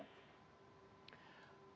terima kasih pak harjau